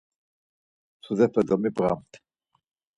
Mtsudepe domibğamt!